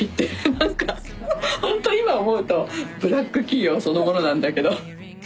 何かほんと今思うとブラック企業そのものなんだけど。